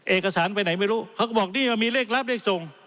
เอกสารไปไหนไม่รู้เขาก็บอกนี่มันมีเลขรับเลขส่ง